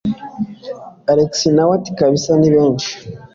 alex nawe ati kabsa nibenshi